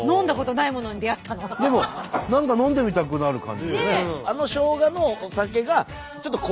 でも何か飲んでみたくなる感じですね。